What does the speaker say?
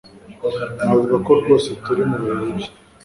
Navuga ko rwose turi mubihe bibi.